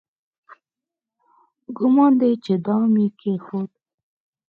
ګومان دی چې دام یې کېښود.